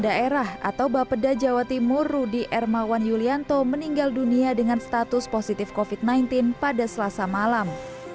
daerah atau bapeda jawa timur rudy ermawan yulianto meninggal dunia dengan status positif covid sembilan belas pada selasa malam